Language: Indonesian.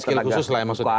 skill khusus lah maksudnya